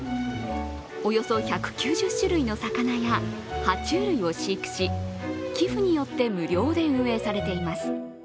およそ１９０種類の魚やは虫類を飼育し、寄付によって無料で運営されています。